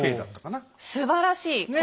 すばらしい！